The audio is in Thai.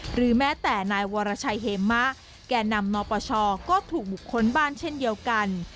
หรือแม้แต่นายวรชัยเหมะแก่นำนปชก็ถูกบุคคลบ้านเช่นเดียวกัน